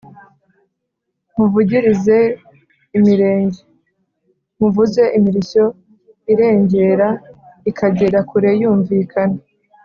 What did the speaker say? muvugirize imirenge: muvuze imirishyo irengera ikagera kure yumvikana